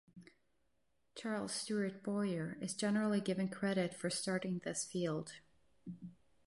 Charles Stuart Bowyer is generally given credit for starting this field.